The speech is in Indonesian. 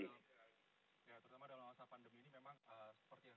terutama dalam masa pandemi ini memang seperti yang terjadi